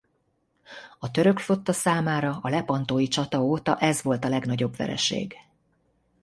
A török flotta számára a lepantói csata óta ez volt a legnagyobb vereség.